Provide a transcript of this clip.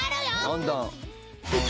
どんどん。